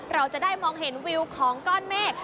เราจะได้มองเห็นวิวของก้อนเมฆ